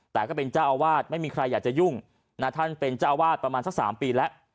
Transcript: แต่ก็เป็นเจ้าอาวาสไม่มีใครอยากจะยุ่งนะท่านเป็นเจ้าอาวาสประมาณสัก๓ปีแล้ว